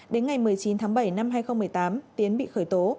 đến ngày một mươi chín tháng bảy năm hai nghìn một mươi tám tiến bị khởi tố